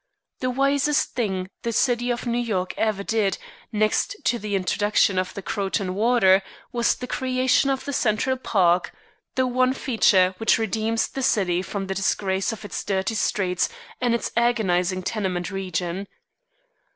The wisest thing the city of New York ever did, next to the introduction of the Croton water, was the creation of the Central Park; the one feature which redeems the city from the disgrace of its dirty streets and its agonizing tenement region.